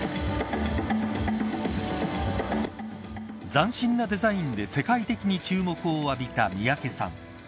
斬新なデザインで世界的に注目を浴びた三宅さん。